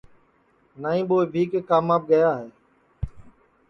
نائی ٻو ابھی کے کاماپ گیا ہے